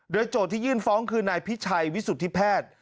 โดยโจทย์ที่ยื่นฟ้องคือนายพิชัยวิสุทธิแพทย์